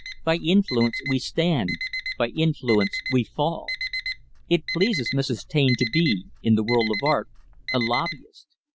By 'Influence' we stand, by 'Influence' we fall. It pleases Mrs. Taine to be, in the world of art, a lobbyist.